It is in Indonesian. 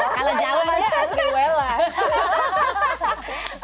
kalau jawabannya aku gue lah